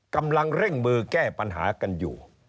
กำลังเร่งมือแก้ปัญหากันอยู่